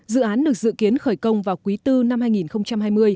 dự án được dự kiến khởi công vào quý bốn năm hai nghìn hai mươi